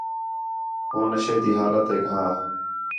ہو نشے تی حالتیک ہا